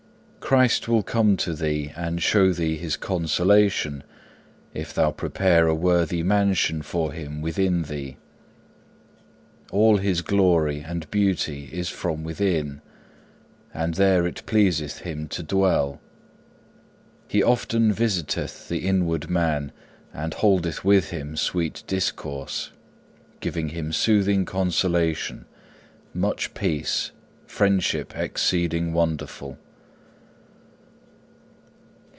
Christ will come to thee, and show thee His consolation, if thou prepare a worthy mansion for Him within thee. All His glory and beauty is from within, and there it pleaseth Him to dwell. He often visiteth the inward man and holdeth with him sweet discourse, giving him soothing consolation, much peace, friendship exceeding wonderful.